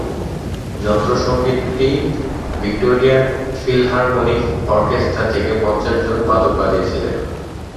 যন্ত্রসংগীতটি Victorian philharmonic orchestra থেকে পঞ্চাশজন বাদক বাজিয়েছিলেন।